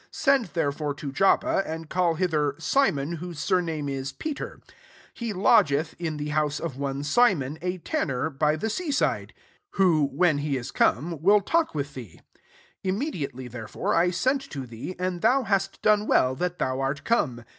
32 Send therefore to Joppa, auid call hither Simon, whose surname is Peter : he lodgeth in the house of one Simon, a tanner, by the sea aide : [who, when he is come, will talk with thee].' 33 Immediately therefore, I sent to thee ; and thou hast done well that thou art come.